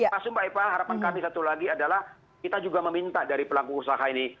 langsung mbak eva harapan kami satu lagi adalah kita juga meminta dari pelaku usaha ini